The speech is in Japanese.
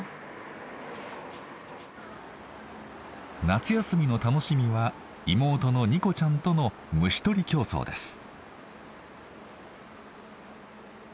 夏休みの楽しみは妹の仁子ちゃんとの虫捕り競争です。